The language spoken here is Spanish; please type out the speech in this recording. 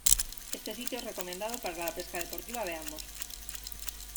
Este sitio es recomendado para la pesca deportiva de ambos.